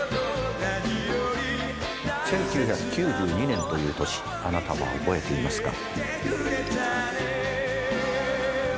１９９２年という年あなたは覚えていますか？